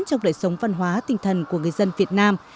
trong đời sống văn hóa tinh thần của người dân việt nam